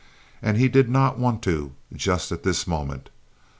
And he did not want to just at this moment.